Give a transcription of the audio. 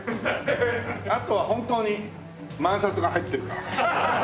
あとは本当に万札が入ってるか。